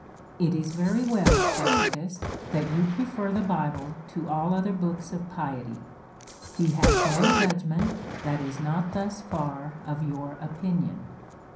It is very well, Classicus, that you prefer the Bible to all other books of piety ; he has no judgment that is not thus far of your opinion.